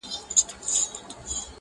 چي کرۍ ورځ یې په سرو اوښکو تیریږي -